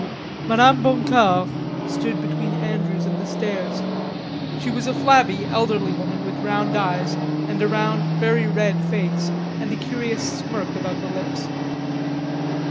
Mme. Boncour stood between Andrews and the stairs. She was a flabby, elderly woman with round eyes and a round, very red face and a curious smirk about the lips.